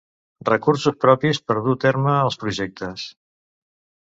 Recursos propis per dur terme els projectes.